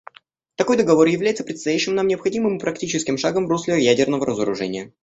Такой договор является предстоящим нам необходимым и практическим шагом в русле ядерного разоружения.